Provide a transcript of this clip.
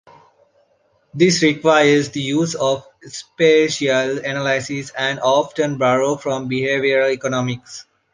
This requires the use of spatial analysis and often borrows from behavioral economics.